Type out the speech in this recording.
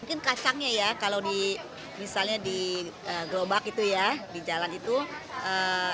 mungkin kacangnya ya kalau di misalnya di gelombak itu ya di jalan itu enaknya sih sama